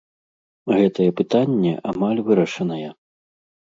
Гэтае пытанне амаль вырашанае.